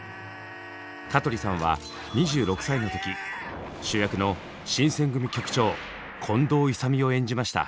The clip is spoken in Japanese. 香取さんは２６歳の時主役の新選組局長近藤勇を演じました。